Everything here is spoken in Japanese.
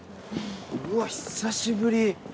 うわ、久しぶり。